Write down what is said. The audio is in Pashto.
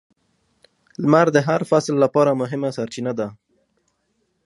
• لمر د هر فصل لپاره مهمه سرچینه ده.